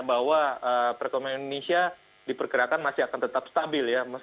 bahwa perekonomian indonesia diperkirakan masih akan tetap stabil ya